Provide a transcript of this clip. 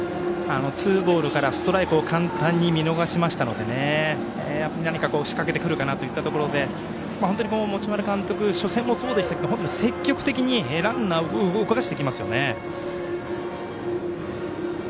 ツーボールからストライクを簡単に見逃しましたので何か仕掛けてくるかなというところで本当に持丸監督初戦もそうでしたが積極的にランナーを動かしてきますよね。